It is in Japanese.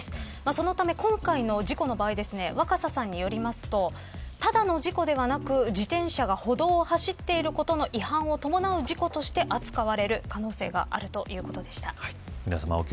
そのため今回の事故の場合若狭さんによりますとただの事故ではなく自転車が歩道を走っていることの違反を伴う事故として扱われる可能性があるということでした。